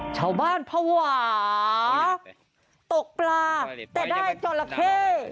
ชาวบ้านพระหวาตกปลาแต่ได้จรเข้